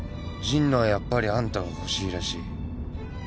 神野はやっぱりあんたが欲しいらしい。